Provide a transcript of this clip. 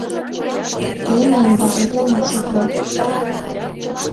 Тый мыйым ватетлан от шотло.